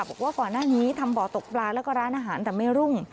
บอกว่าก่อนหน้านี้ทำบ่อตกปลาแล้วก็ร้านอาหารแต่ไม่รุ่ง